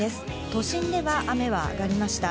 都心では雨は、あがりました。